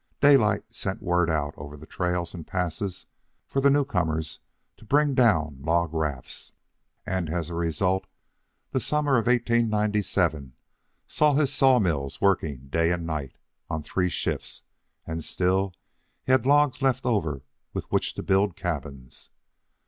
Daylight sent word out over the trails and passes for the newcomers to bring down log rafts, and, as a result, the summer of 1897 saw his sawmills working day and night, on three shifts, and still he had logs left over with which to build cabins.